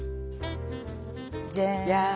じゃん！